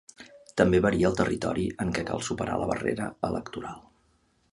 També varia el territori en què cal superar la barrera electoral.